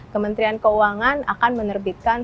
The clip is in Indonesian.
kementerian keuangan akan menerbitkan